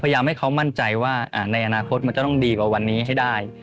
พยายามให้เขามั่นใจว่าในอนาคตมันจะต้องดีกว่าวันนี้ให้ได้